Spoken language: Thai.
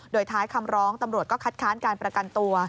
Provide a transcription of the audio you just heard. โดยท้ายคำร้องตำรวจก็คัดค้านการประกันตัว